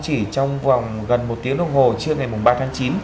chỉ trong vòng gần một tiếng đồng hồ trưa ngày ba tháng chín